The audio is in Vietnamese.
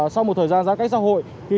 sau một thời gian giãn cách xã hội